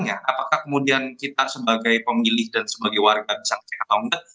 apakah kemudian kita sebagai pemilih dan sebagai warga bisa ngecek atau enggak